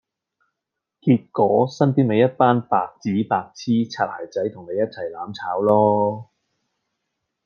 結果身邊咪一班白紙、白癡、擦鞋仔同你一齊攬炒囉